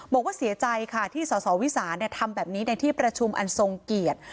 บอกว่าเสียใจค่ะที่สสวิสานทำแบบนี้ในที่ประชุมอันทรงเกียรติ